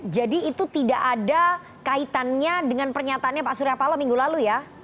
jadi itu tidak ada kaitannya dengan pernyataannya pak surya palo minggu lalu ya